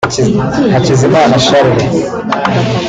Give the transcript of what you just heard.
Hakizimana Charles